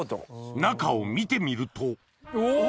中を見てみるとお！